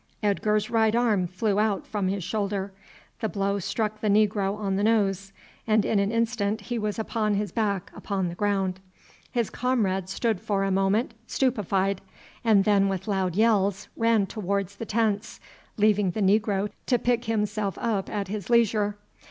Edgar's right arm flew out from his shoulder, the blow struck the negro on the nose, and in an instant he was upon his back upon the ground. His comrade stood for a moment stupefied, and then with loud yells ran towards the tents, leaving the negro to pick himself up at his leisure.